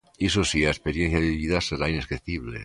Iso si, a experiencia vivida será inesquecible.